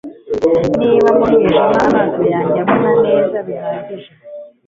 niba mu mwijima amaso yanjye abona neza bihagije